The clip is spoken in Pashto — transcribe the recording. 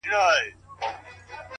• یو وخت ژمی وو او واوري اورېدلې ,